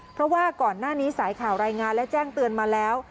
เพราะว่าก่อนหน้านี้สายข่าวรายงานและแจ้งเตือนมาแล้ว